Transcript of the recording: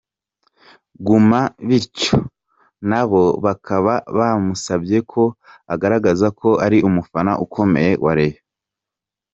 Guma bityo nabo bakaba bamusabye ko agaragaza ko ari umufana ukomeye wa Rayon.